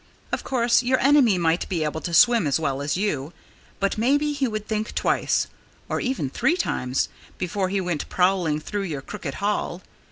Of course, your enemy might be able to swim as well as you. But maybe he would think twice or even three times before he went prowling through your crooked hall.